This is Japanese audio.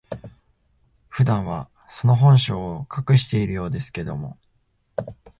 普段は、その本性を隠しているようですけれども、